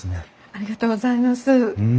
ありがとうございます。